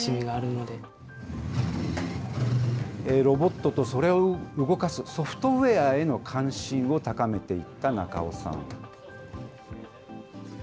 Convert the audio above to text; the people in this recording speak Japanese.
ロボットと、それを動かすソフトウエアへの関心を高めていった中尾さん。